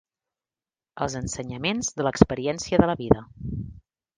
Els ensenyaments de l'experiència de la vida.